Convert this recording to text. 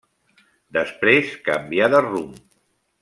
Després canvià de rumb.